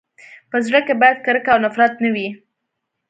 په زړه کي باید کرکه او نفرت نه وي.